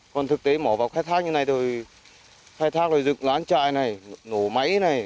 còn thực tế mỏ vào khai thác như thế này rồi khai thác rồi dựng lán chạy này nổ máy này